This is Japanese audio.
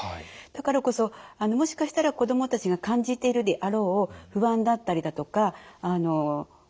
だからこそもしかしたら子どもたちが感じているであろう不安だったりだとか怖さだったりだとか